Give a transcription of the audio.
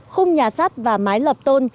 khung nhà sắt và mái lập tôn